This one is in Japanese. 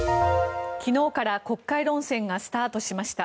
昨日から国会論戦がスタートしました。